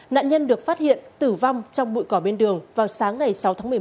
nạn nhân được phát hiện tử vong trong bụi cỏ bên đường vào sáng ngày sáu tháng một mươi một